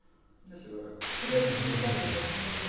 すごい冷たいですよひんやり。